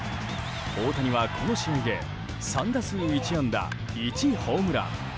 大谷はこの試合で３打数１安打１ホームラン。